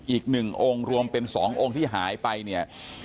อีก๑องค์รวมเป็น๒องค์ที่หายไปเนี่ย